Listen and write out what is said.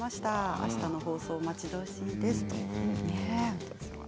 あしたの放送、待ち遠しいです。